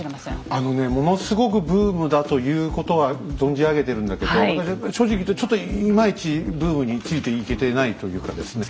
あのねものすごくブームだということは存じ上げてるんだけど私は正直言うとちょっといまいちブームについていけてないというかですね。